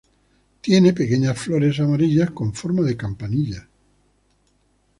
Tiene pequeñas flores amarillas con forma de campanillas.